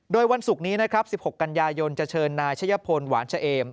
โดยวันศุกร์นี้นะครับ๑๖กันยายนจะเชิญนายชะยพลหวานเฉเอม